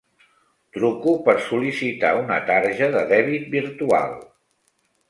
Truco per sol·licitar una tarja de dèbit virtual.